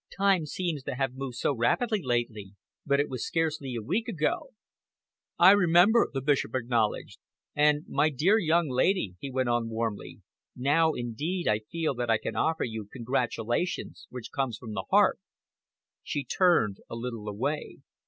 Time seems to have moved so rapidly lately, but it was scarcely a week ago." "I remember," the Bishop acknowledged. "And, my dear young lady," he went on warmly, "now indeed I feel that I can offer you congratulations which come from my heart." She turned a little away.